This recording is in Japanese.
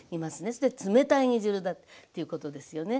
そして冷たい煮汁だっていうことですよね。